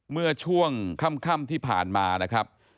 เมื่อช่วงค่ำที่ผ่านมานะครับ